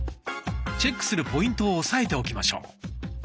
チェックするポイントを押さえておきましょう。